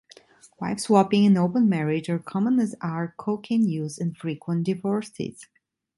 Wife swapping and open marriage are common as are cocaine use and frequent divorces.